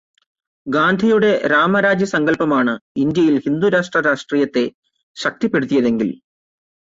ഗാന്ധിയുടെ രാമരാജ്യസങ്കല്പമാണ് ഇന്ത്യയില് ഹിന്ദുരാഷ്ട്ര രാഷ്ട്രീയത്തെ ശക്തിപ്പെടുത്തിയതെങ്കില്